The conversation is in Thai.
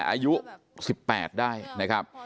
อายุ๑๘น้องได้